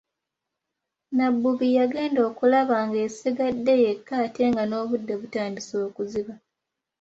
Nabbubi yagenda okulaba ng'esigadde yekka ate nga n'obudde butandise okuziba.